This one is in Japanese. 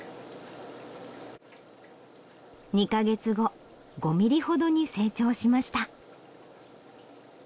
２カ月後５ミリほどに成長しました。